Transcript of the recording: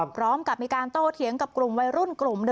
พร้อมกับมีการโตเถียงกับกลุ่มวัยรุ่นกลุ่ม๑